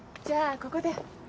じゃあここで。